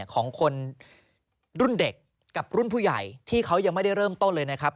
ของคนรุ่นเด็กกับรุ่นผู้ใหญ่ที่เขายังไม่ได้เริ่มต้นเลยนะครับ